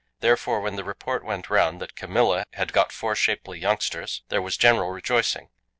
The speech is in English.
Therefore, when the report went round that "Camilla" had got four shapely youngsters, there was general rejoicing.